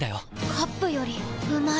カップよりうまい